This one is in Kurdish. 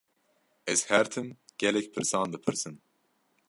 Ez her tim gelek pirsan dipirsim.